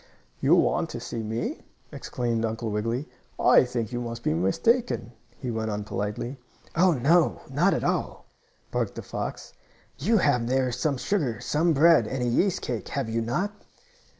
"You want to see me?" exclaimed Uncle Wiggily. "I think you must be mistaken," he went on politely. "Oh, no, not at all!" barked the fox. "You have there some sugar, some bread and a yeast cake; have you not?"